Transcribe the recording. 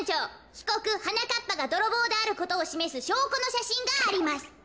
ひこくはなかっぱがどろぼうであることをしめすしょうこのしゃしんがあります。